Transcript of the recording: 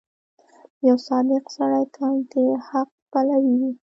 • یو صادق سړی تل د حق پلوی وي.